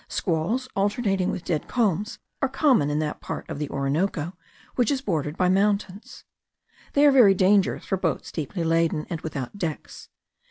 Squalls alternating with dead calms are common in that part of the Orinoco which is bordered by mountains. They are very dangerous for boats deeply laden, and without decks.